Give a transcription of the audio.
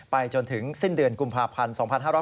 จนถึงสิ้นเดือนกุมภาพันธ์๒๕๕๙